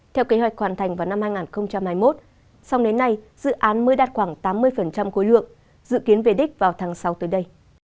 theo kế hoạch hoàn thành vào năm hai nghìn hai mươi một song đến nay dự án mới đạt khoảng tám mươi khối lượng dự kiến về đích vào tháng sáu tới đây